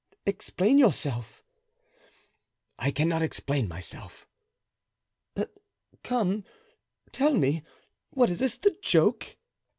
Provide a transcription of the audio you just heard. "Explain yourself." "I cannot explain myself." "Come, tell me, what is the joke?"